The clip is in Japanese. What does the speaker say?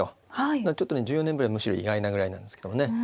だからちょっとね１４年ぶりはむしろ意外なぐらいなんですけれどもね。